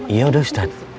iya udah ustadz